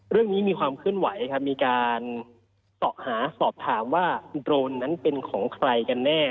มีความเคลื่อนไหวครับมีการสอบหาสอบถามว่าโดรนนั้นเป็นของใครกันแน่